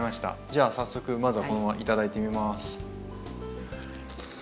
じゃあ早速まずはこのまま頂いてみます。